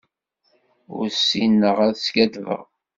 Ur ssineɣ ad skaddbeɣ.